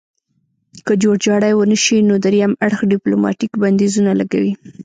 که جوړجاړی ونشي نو دریم اړخ ډیپلوماتیک بندیزونه لګوي